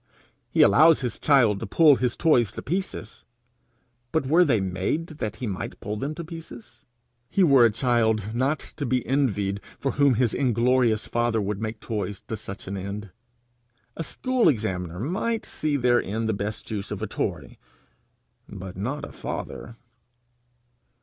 He allows his child to pull his toys to pieces; but were they made that he might pull them to pieces? He were a child not to be envied for whom his inglorious father would make toys to such an end! A school examiner might see therein the best use of a toy, but not a father!